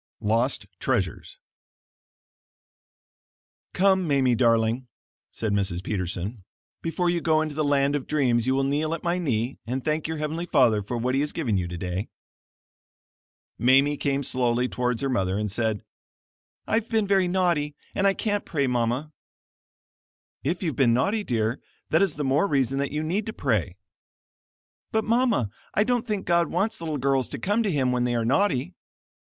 LOST TREASURES "Come, Mamie, darling," said Mrs. Peterson, "before you go into the land of dreams you will kneel at my knee and thank your heavenly Father for what he has given you today." Mamie came slowly towards her mother, and said, "I've been very naughty, and I can't pray, Mama." "If you've been naughty dear, that is the more reason that you need to pray." "But, Mama, I don't think God wants little girls to come to Him when they are naughty."